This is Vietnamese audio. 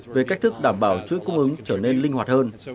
về cách thức đảm bảo chuỗi cung ứng trở nên linh hoạt hơn